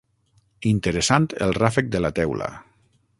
Interessant el ràfec de la teula.